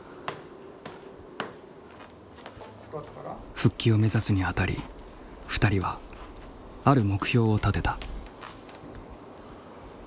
復帰を目指すにあたり２人はある目標を立てた。